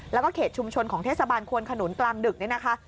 แล้วก็เขตชุมชนของเทศบาลควนขนุนกลางดึกเนี่ยนะคะ